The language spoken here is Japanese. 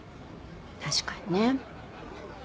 確かにね。